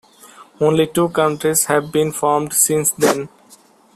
Only two counties have been formed since then.